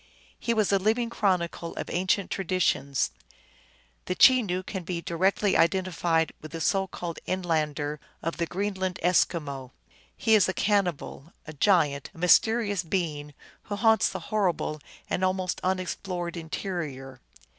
He was a living chronicle of ancient traditions. The Chenoo can be directly identified with the so called Inlander of the Greenland Eskimo. He is a cannibal, a giant, a mysterious being who haunts the horrible and almost unexplored interior.